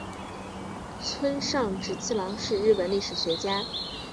村上直次郎是日本历史学家。